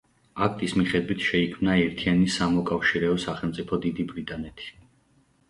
აქტის მიხედვით შეიქმნა ერთიანი სამოკავშირეო სახელმწიფო დიდი ბრიტანეთი.